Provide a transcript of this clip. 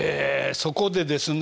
そこでですね